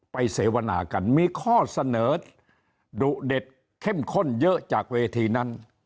เสวนากันมีข้อเสนอดุเด็ดเข้มข้นเยอะจากเวทีนั้น